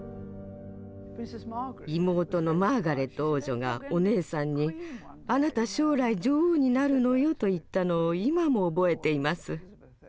妹のマーガレット王女がお姉さんに「あなた将来女王になるのよ」と言ったのを今も覚えています。